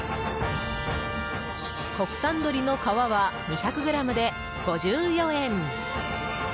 国産鶏の皮は２００ｇで５４円。